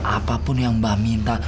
apapun yang mbah minta